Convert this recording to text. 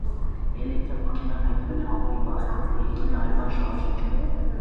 Էլեկտրական մեքենան հայտնվել է ավելի վաղ, քան ներքին այրման շարժիչը։